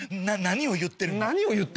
何を言ってんの？